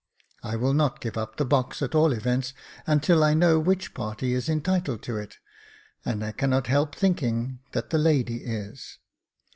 I will not give up the box, at all events, until I know which party is entitled to it, and I cannot help thinking that the lady is.